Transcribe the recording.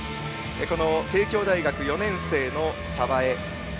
帝京大学４年生の澤江。